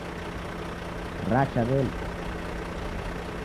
Racha wele